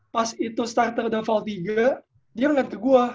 pas itu starter udah foul tiga dia ngeliat ke gue